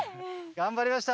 頑張りました！